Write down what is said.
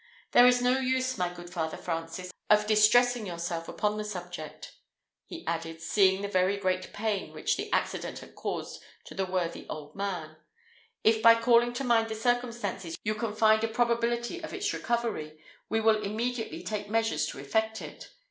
There is no use, my good Father Francis, of distressing yourself upon the subject," he added, seeing the very great pain which the accident had caused to the worthy old man; "if by calling to mind the circumstances you can find a probability of its recovery, we will immediately take measures to effect it.